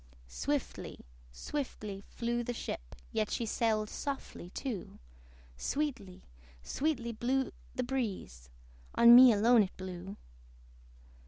Swiftly, swiftly flew the ship, Yet she sailed softly too: Sweetly, sweetly blew the breeze On me alone it blew.